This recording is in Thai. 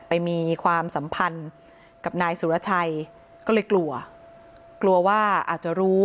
มีความสัมพันธ์กับนายสุรชัยก็เลยกลัวกลัวว่าอาจจะรู้